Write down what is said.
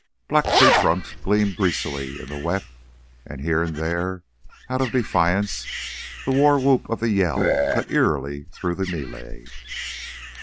Black tree trunks gleamed greasily in the wet; and here and there, out of defiance, the war whoop of the Yell cut eerily through the melee.